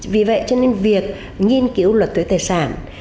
vì vậy cho nên việc nghiên cứu luật thuế tài sản